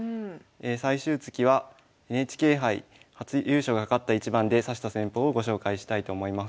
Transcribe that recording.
最終月はＮＨＫ杯初優勝がかかった一番で指した戦法をご紹介したいと思います。